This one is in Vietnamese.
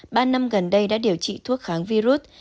ba năm gần đây đã điều trị thuốc kháng virus